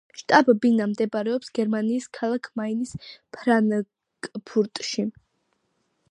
შტაბ-ბინა მდებარეობს გერმანიის ქალაქ მაინის ფრანკფურტში.